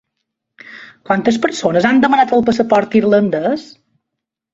Quantes persones han demanat el passaport irlandès?